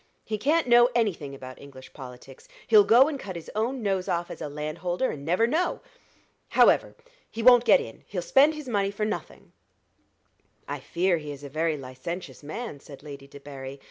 He can't know any thing about English politics. He'll go and cut his own nose off as a landholder, and never know. However, he won't get in he'll spend his money for nothing." "I fear he is a very licentious man," said Lady Debarry.